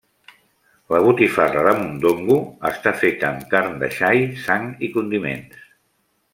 La botifarra de mondongo està feta amb carn de xai, sang i condiments.